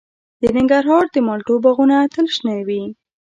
د ننګرهار د مالټو باغونه تل شنه وي.